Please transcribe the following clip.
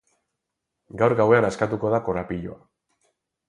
Gaur gauean askatuko da korapiloa.